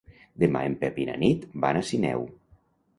Demà en Pep i na Nit van a Sineu.